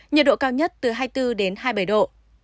nhiệt độ cao nhất từ hai mươi bốn hai mươi bảy độ